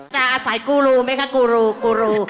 จะอาศัยกูรูไหมคะกูรู